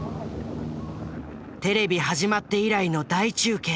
テレビ始まって以来の大中継。